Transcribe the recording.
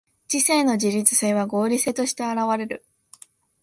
知性の自律性は合理性として現われる。